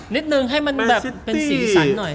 นิดนึงให้มันแบบเป็นสีสันหน่อย